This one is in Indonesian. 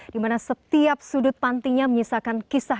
di mana setiap sudut pantinya menyisakan kisah